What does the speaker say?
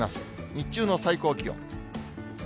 日中の最高気温。